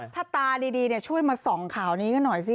ถ้าตาดีช่วยมาส่องข่าวนี้กันหน่อยสิ